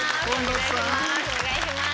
お願いします